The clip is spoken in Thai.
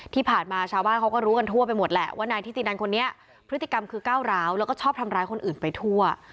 ที่ผ่านมาชาวบ้านเขาก็รู้กันทั่วไปหมดแหละว่านายทิตินันคนนี้พฤติกรรมคือก้าวร้าวแล้วก็ชอบทำร้ายคนอื่นไปทั่ว